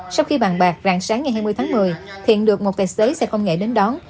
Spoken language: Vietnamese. sau khi bàn bạc rạng sáng ngày hai mươi tháng một mươi thiện được một tài xế xe công nghệ đến đón